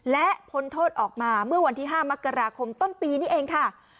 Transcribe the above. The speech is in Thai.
และพ้นโทษออกมาเมื่อวันที่๕มกราคมต้นปีนี้เองค่ะ